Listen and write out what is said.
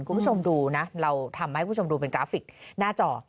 คุณผู้ชมดูนะเราทำให้คุณผู้ชมดูเป็นกราฟิกหน้าจอ